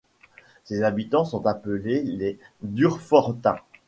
Ses habitants sont appelés les Durfortains.